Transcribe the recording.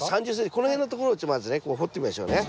この辺のところをまずね掘ってみましょうね。